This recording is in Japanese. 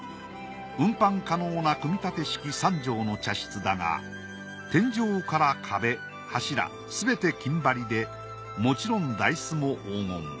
運搬可能な組立式３畳の茶室だが天井から壁柱すべて金張りでもちろん台子も黄金。